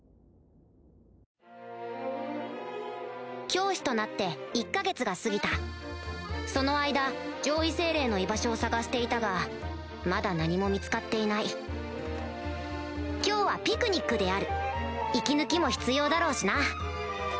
教師となって１か月が過ぎたその間上位精霊の居場所を探していたがまだ何も見つかっていない今日はピクニックである息抜きも必要だろうしな